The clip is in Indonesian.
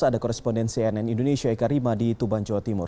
ada koresponden cnn indonesia eka rima di tuban jawa timur